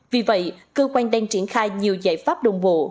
vì vậy cơ quan đang triển khai nhiều giải pháp đồng bộ